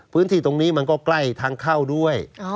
พื้นที่ตรงนี้มันก็ใกล้ทางเข้าด้วย